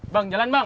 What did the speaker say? bang jalan bang